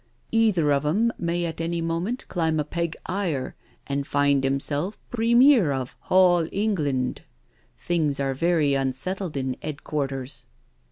Either of 'em may at any moment climb a peg higher an' find 'imself Premier of hall England — things are very unsettled in 'ead quarters."